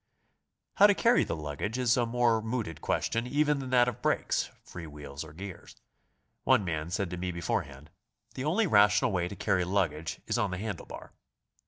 How to carry the luggage is a more mooted question even than th^t of brakes, free wheels or gears. One man said to me beforehand: "The only rational way to carry luggage is on the handle bar."